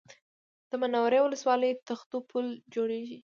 د منورې ولسوالۍ تختو پل جوړېږي